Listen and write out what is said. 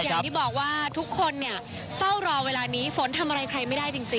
อย่างที่บอกว่าทุกคนเนี่ยเฝ้ารอเวลานี้ฝนทำอะไรใครไม่ได้จริง